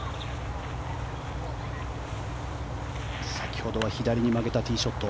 先ほどは左に曲げたティーショット。